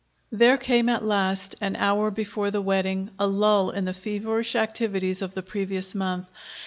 There came, at last, an hour before the wedding, a lull in the feverish activities of the previous month.